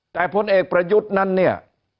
แต่พลเอกประยุทธ์นั้นเนี่ย